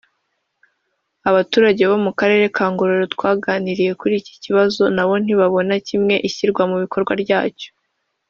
Abaturage bo mu karere ka Ngororero twaganiriye kuri iki kibazo nabo ntibabona kimwe ishyirwa mu bikorwa ryacyo